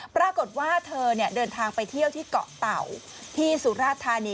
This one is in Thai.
ปรากฏว่าเธอเดินทางไปเที่ยวที่เกาะเต่าที่สุราธานี